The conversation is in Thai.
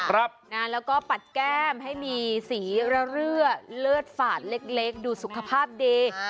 แล้วก็ปัดแก้มให้มีสีเรื่อเลิศฝาดเล็กดูสุขภาพดี